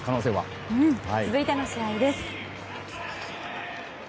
続いての試合です。